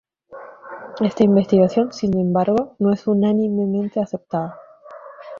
Esta investigación, sin embargo, no es unánimemente aceptada.